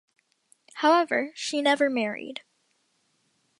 However, she never married.